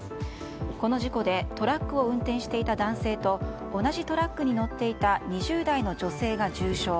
この事故でトラックを運転していた男性と同じトラックに乗っていた２０代の女性が重傷。